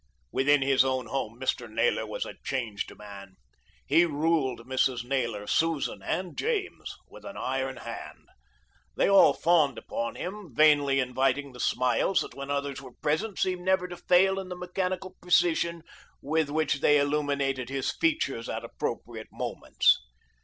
Within his own home Mr. Naylor was a changed man. He ruled Mrs. Naylor, Susan and James with an iron hand. They all fawned upon him, vainly inviting the smiles that when others were present seemed never to fail in the mechanical precision with which they illumined his features at appropriate moments.